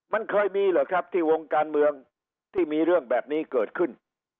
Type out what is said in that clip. มันเคยมีเหรอครับที่วงการเมืองที่มีเรื่องแบบนี้เกิดขึ้น